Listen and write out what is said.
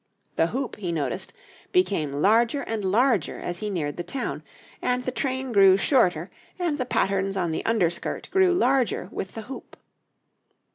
The hoop, he noticed, became larger and larger as he neared the town, and the train grew shorter, and the patterns on the under skirt grew larger with the hoop.